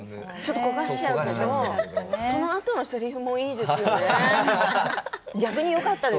アイロンでちょっと焦がしちゃうんだけどそのあとのせりふもいいですよね。